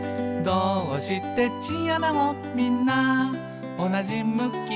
「どーうしてチンアナゴみんなおなじ向き？」